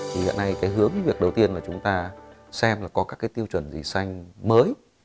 thì hiện nay cái hướng với việc đầu tiên là chúng ta xem là có các cái tiêu chuẩn gì xanh mới